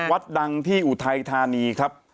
วัดดังที่อุทัยธานีครับ